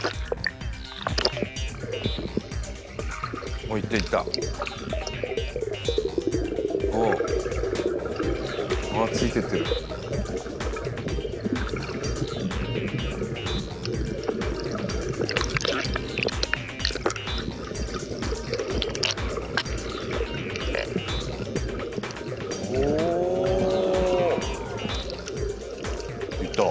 おおいったいったおおああついてってるおおっいった